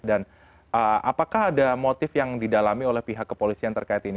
dan apakah ada motif yang didalami oleh pihak kepolisian terkait ini